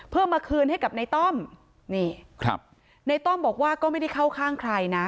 เพื่อมาคืนให้กับในต้อมนี่ครับในต้อมบอกว่าก็ไม่ได้เข้าข้างใครนะ